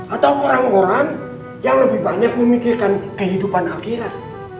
atau orang orang yang lebih banyak memikirkan kehidupan akhirat